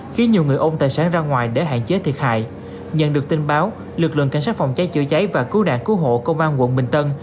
đường cảnh sát phòng cháy chữa cháy và cứu đạn cứu hộ công an quận bình tân